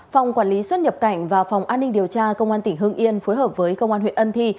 phòng quản lý xuất nhập cảnh và phòng an ninh điều tra công an tỉnh hương yên phối hợp với công an huyện ân thi